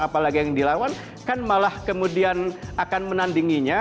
apalagi yang di lawan kan malah kemudian akan menandinginya